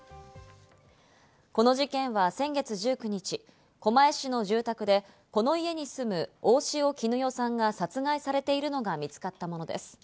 この事件は先月１９日、狛江市の住宅でこの家に住む大塩衣与さんが殺害されているのが見つかったものです。